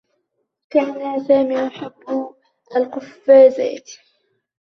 كان سامي يحبّ القفّازات.